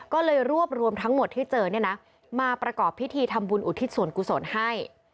ก็เลยรวบรวมทั้งหมดที่เจอเนี่ยนะมาประกอบพิธีทำบุญอุทิศส่วนกุศลให้